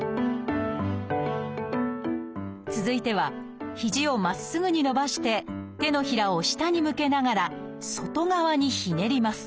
続いては肘をまっすぐに伸ばして手のひらを下に向けながら外側にひねります。